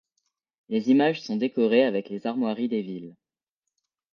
Les images sont décorées avec les armoiries des villes.